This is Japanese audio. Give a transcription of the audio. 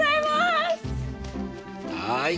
はい。